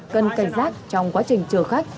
cần cẩn giác trong quá trình chờ khách